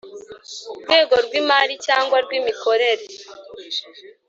rwego rw imari cyangwa rw imikorere